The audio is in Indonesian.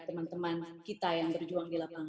teman teman kita yang berjuang di lapangan